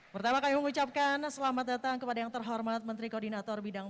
dua ribu dua puluh pertama kali mengucapkan selamat datang kepada yang terhormat menteri koordinator bidang